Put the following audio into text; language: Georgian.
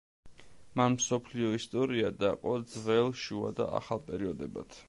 მან მსოფლიო ისტორია დაყო ძველ, შუა და ახალ პერიოდებად.